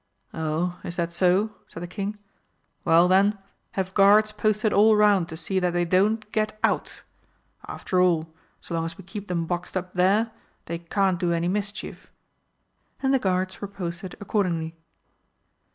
"Oh, is that so?" said the King. "Well, then, have guards posted all round to see that they don't get out. After all, so long as we keep them boxed up there, they can't do any mischief." And the guards were posted accordingly.